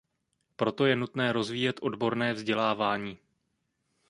Proto je nutné rozvíjet odborné vzdělávání.